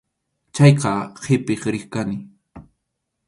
Chayqa qʼipiq riq kani.